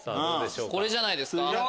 これじゃないですか？